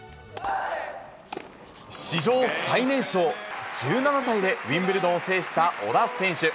史上最年少、１７歳でウィンブルドンを制した小田選手。